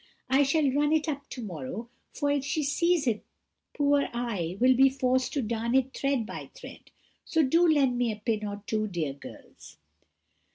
I shall run it up to morrow, for, if she sees it, poor I will be forced to darn it thread by thread; so do lend me a pin or two, dear girls."